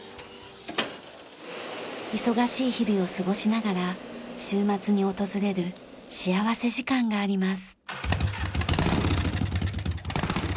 忙しい日々を過ごしながら週末に訪れる幸福時間があります。